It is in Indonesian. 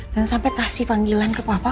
dan sampe kasih panggilan ke papa